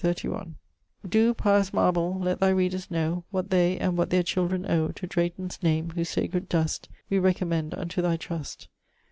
Doe, pious marble, let thy readers knowe What they, and what their children owe To DRAYTON'S name, whose sacred dust We recommend unto thy trust.